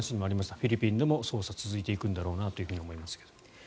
フィリピンでも捜査が続いてくんだろうなと思いますが。